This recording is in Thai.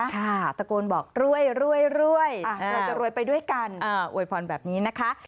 ตะโกนบอกรวยรวยเราจะรวยไปด้วยกันอวยพรแบบนี้นะคะ